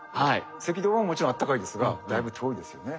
赤道はもちろん暖かいですがだいぶ遠いですよね。